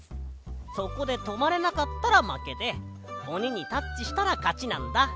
そこでとまれなかったらまけでおににタッチしたらかちなんだ。